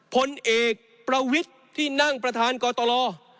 ผลเอกประวิจที่นั่งประธานกตลอด